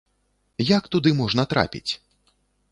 Як туды можна трапіць?